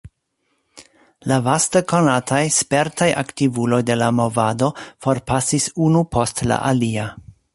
La vaste konataj, spertaj aktivuloj de la movado forpasis unu post la alia.